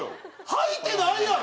はいてないやろ！